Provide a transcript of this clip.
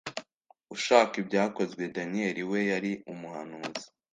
Ushaka ibyakozwe daniyeli we yari umuhanuzi